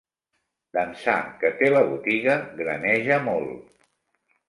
D'ençà que té la botiga, graneja molt.